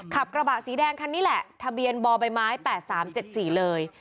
ขับกระบะสีแดงคันนี้แหละทะเบียนบ่อใบไม้๘๓๗๔เลย